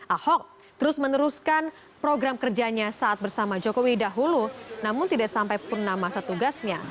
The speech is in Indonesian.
ahok terus meneruskan program kerjanya saat bersama jokowi dahulu namun tidak sampai purnama setugasnya